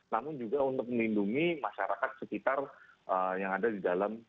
namun juga untuk melindungi masyarakat sekitar yang ada di dalam